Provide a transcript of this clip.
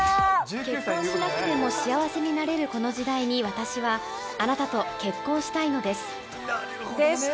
結婚しなくても幸せになれるこの時代に私は、あなたと結婚したいのです。でした。